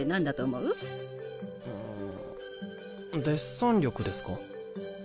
うんデッサン力ですか？